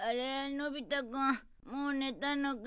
のび太くんもう寝たのか。